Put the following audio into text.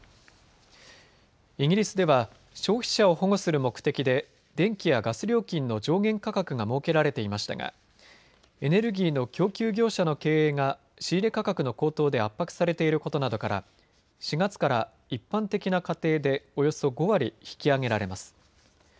イギリスでは消費者を保護する目的で電気やガス料金の上限価格が設けられていましたがエネルギーの供給業者の経営が仕入れ価格の高騰で圧迫されていることなどから４月から一般的な家庭でおよそ５割引き上げられます。